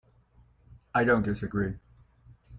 I don't disagree.